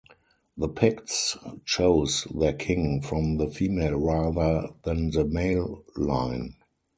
The Picts chose their king from the female rather than the male line.